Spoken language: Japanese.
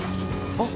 ・あっ！！